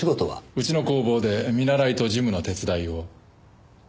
うちの工房で見習いと事務の手伝いを。